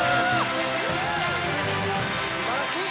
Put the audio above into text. すばらしい！